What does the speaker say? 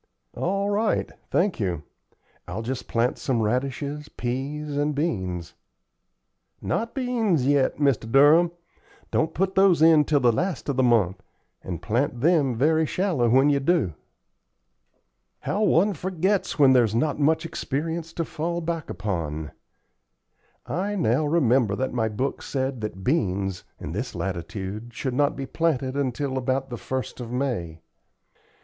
"All right. Thank you. I'll just plant some radishes, peas, and beans." "Not beans yet, Mr. Durham. Don't put those in till the last of the month, and plant them very shallow when you do." "How one forgets when there's not much experience to fall back upon! I now remember that my book said that beans, in this latitude, should not be planted until about the 1st of May."